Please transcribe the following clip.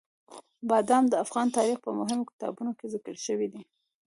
بادام د افغان تاریخ په مهمو کتابونو کې ذکر شوي دي.